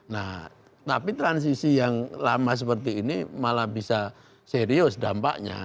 nah tapi transisi yang lama seperti ini malah bisa serius dampaknya